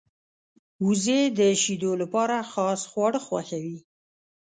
وزې د شیدو لپاره خاص خواړه خوښوي